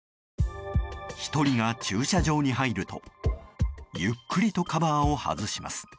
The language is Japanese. １人が駐車場に入るとゆっくりとカバーを外します。